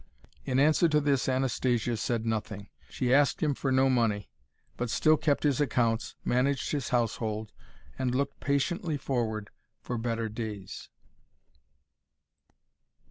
In answer to this Anastasia said nothing. She asked him for no money, but still kept his accounts, managed his household, and looked patiently forward for better days.